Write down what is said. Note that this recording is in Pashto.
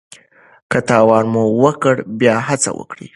که تاوان مو وکړ بیا هڅه وکړئ.